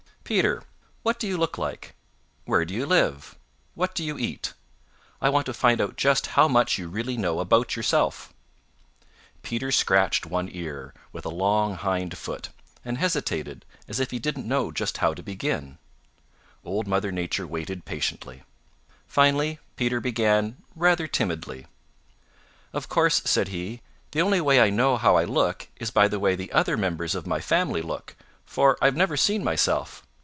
Peter, what do you look like? Where do you live? What do you eat? I want to find out just how much you really know about yourself." Peter scratched one ear with a long hind foot and hesitated as if he didn't know just how to begin. Old Mother Nature waited patiently. Finally Peter began rather timidly. "Of course," said he, "the only way I know how I look is by the way the other members of my family look, for I've never seen myself.